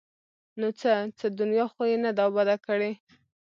ـ نو څه؟ څه دنیا خو یې نه ده اباده کړې!